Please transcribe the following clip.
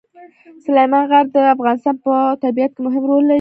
سلیمان غر د افغانستان په طبیعت کې مهم رول لري.